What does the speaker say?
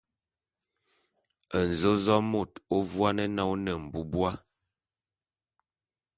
Nzōzôé môt ô vuane vuane na ô ne mbubua.